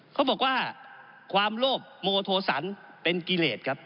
เขาบอกว่าความโลภโมโทสันเป็นกิเลสครับ